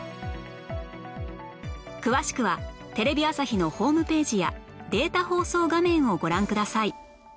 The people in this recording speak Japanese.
詳しくはテレビ朝日のホームページやデータ放送画面をご覧ください